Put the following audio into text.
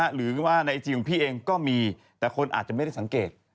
หรือว่าในไอจีของพี่เองก็มีแต่คนอาจจะไม่ได้สังเกต